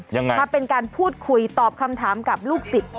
ยังไงมาเป็นการพูดคุยตอบคำถามกับลูกศิษย์